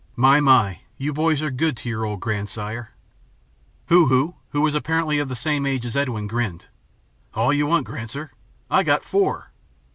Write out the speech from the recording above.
My, my, you boys are good to your old grandsire." Hoo Hoo, who was apparently of the same age as Edwin, grinned. "All you want, Granser. I got four."